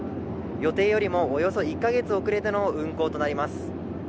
予定よりもおよそ１か月遅れての運航となります。